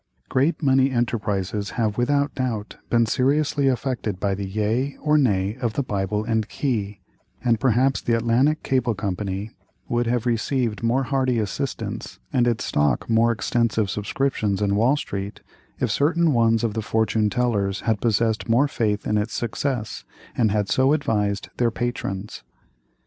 Great money enterprises have without doubt been seriously affected by the yea or nay of the Bible and key, and perhaps the Atlantic Cable Company would have received more hearty assistance, and its stock more extensive subscriptions in Wall Street, if certain ones of the fortune tellers had possessed more faith in its success, and had so advised their patrons.